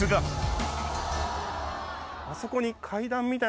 あそこに。